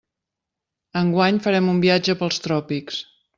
Enguany farem un viatge pels tròpics.